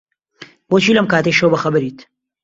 بۆچی لەم کاتەی شەو بەخەبەریت؟